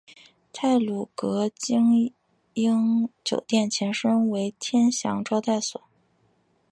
太鲁阁晶英酒店前身为天祥招待所。